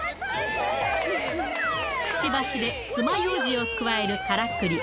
くちばしで、つまようじをくわえるからくり。